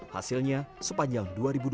hasilnya sepanjang dua ribu dua puluh